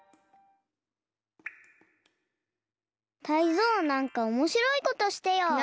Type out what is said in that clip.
タイゾウなんかおもしろいことしてよ。